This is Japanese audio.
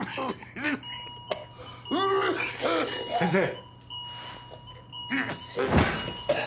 先生。